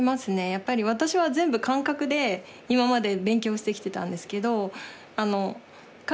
やっぱり私は全部感覚で今まで勉強してきてたんですけど。